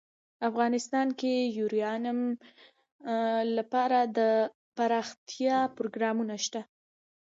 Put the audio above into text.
افغانستان کې د یورانیم لپاره دپرمختیا پروګرامونه شته.